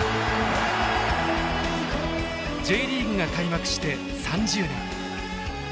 Ｊリーグが開幕して３０年。